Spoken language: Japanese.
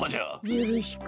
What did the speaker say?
よろしく。